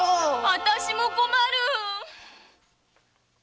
私も困る！